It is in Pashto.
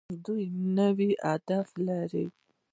دوی نوي اهداف لري.